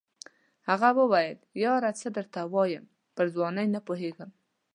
هغه وویل یاره څه درته ووایم پر ځوانۍ نه پوهېږم.